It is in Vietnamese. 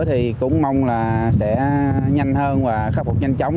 thì cũng mong là sẽ nhanh hơn và khắc phục nhanh chóng